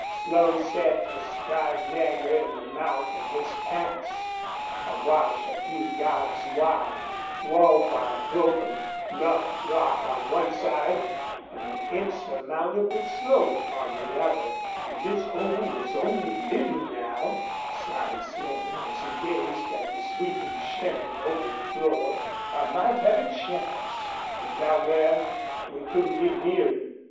Slone sat astride Nagger in the mouth of this pass a wash a few yards wide, walled by broken, rough rock on one side and an insurmountable slope on the other. "If this hole was only little, now," sighed Slone, as he gazed at the sweeping, shimmering oval floor, "I might have a chance. But down there we couldn't get near him."